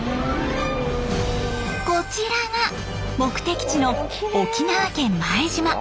こちらが目的地の沖縄県前島。